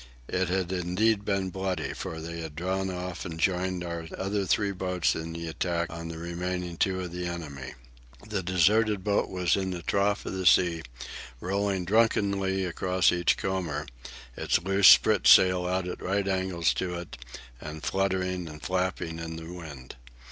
It had indeed been bloody, for they had drawn off and joined our other three boats in the attack on the remaining two of the enemy. The deserted boat was in the trough of the sea, rolling drunkenly across each comber, its loose spritsail out at right angles to it and fluttering and flapping in the wind.